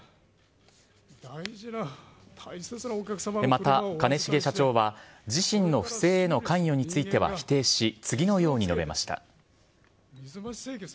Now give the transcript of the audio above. また、兼重社長は、自身の不正への関与については否定し、次のように述べました。